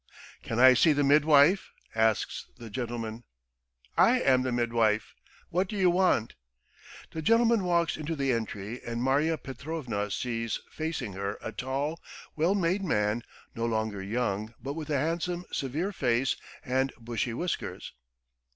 "Can I see the midwife?" asks the gentleman. "I am the midwife. What do you want?" The gentleman walks into the entry and Marya Petrovna sees facing her a tall, well made man, no longer young, but with a handsome, severe face and bushy whiskers.